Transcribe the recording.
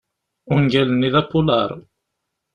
Ungal-nni d apulaṛ.